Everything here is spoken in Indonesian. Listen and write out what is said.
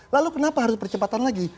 lalu kenapa harus percepatan lagi